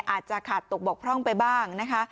อาจจะขาดตกบกพร่องไปบ้างนะคะ